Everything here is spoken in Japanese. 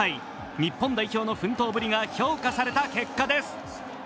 日本代表の奮闘ぶりが評価された結果です。